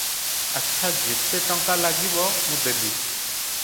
ଆଚ୍ଛା ଯେତେ ଟଙ୍କା ଲାଗିବ, ମୁଁ ଦେବି ।